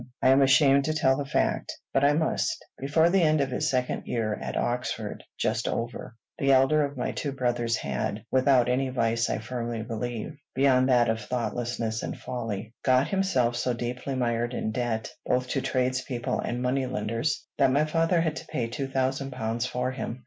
I am ashamed to tell the fact, but I must: before the end of his second year at Oxford, just over, the elder of my two brothers had, without any vice I firmly believe, beyond that of thoughtlessness and folly, got himself so deeply mired in debt, both to tradespeople and money lenders, that my father had to pay two thousand pounds for him.